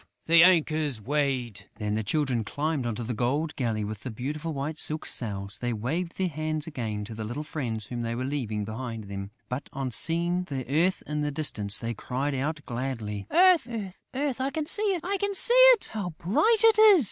The anchor's weighed...." Then the Children climbed into the gold galley, with the beautiful white silk sails. They waved their hands again to the little friends whom they were leaving behind them; but, on seeing the earth in the distance, they cried out, gladly: "Earth! Earth!... I can see it!..." "How bright it is!..."